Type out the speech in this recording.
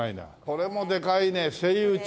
これもでかいねセイウチ。